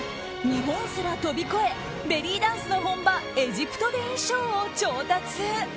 日本すら飛び越えベリーダンスの本場エジプトで衣装を調達。